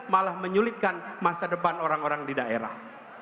malah menyulitkan masa depan orang orang di daerah